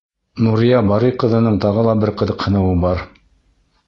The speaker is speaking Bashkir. Нурия Барый ҡыҙының тағы бер ҡыҙыҡһыныуы бар.